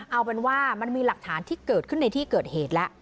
เอาเป็นว่ามันมีหลักฐานที่เกิดขึ้นในที่เกิดเหตุแล้ว